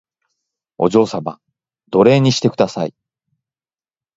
お嬢様奴隷にしてください